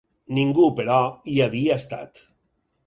Ningú, però, hi havia estat.